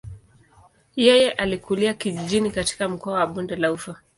Yeye alikulia kijijini katika mkoa wa bonde la ufa.